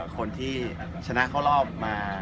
คนที่ชนะเข้ารอบมา